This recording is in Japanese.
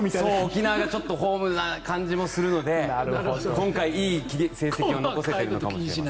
沖縄がホームな感じもするので今回いい成績を残せているのかもしれない。